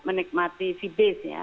menikmati fee base ya